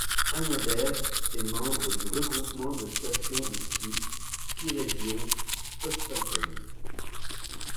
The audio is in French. Annaberg est membre du regroupement de stations de ski Skiregion Ostalpen.